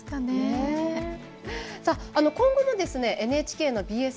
今後のＮＨＫＢＳ